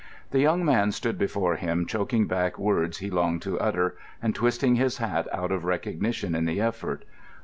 The young man stood before him choking back words he longed to utter and twisting his hat out of recognition in the effort.